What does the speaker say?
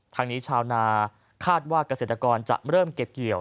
ทางนี้ชาวนาคาดว่าเกษตรกรจะเริ่มเก็บเกี่ยว